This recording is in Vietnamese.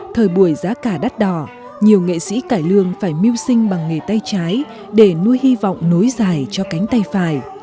thời buổi giá cả đắt đỏ nhiều nghệ sĩ cải lương phải mưu sinh bằng nghề tay trái để nuôi hy vọng nối dài cho cánh tay phải